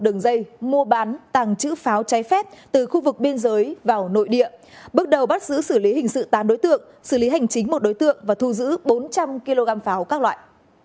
họ đã bắt giữ một đường dây mua bán tàng chữ pháo trái phép từ khu vực biên giới vào nội địa bước đầu bắt giữ xử lý hình sự tám đối tượng xử lý hành chính một đối tượng và thu giữ bốn trăm linh kg pháo các loại